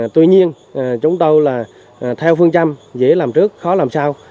tuy nhiên chúng tôi là theo phương châm dễ làm trước khó làm sao